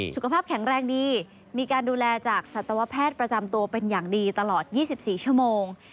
สุขภาพแข็งแรงดีมีการดูแลจากสัตวแพทย์ประจำตัวเป็นอย่างดีตลอด๒๔ชั่วโมง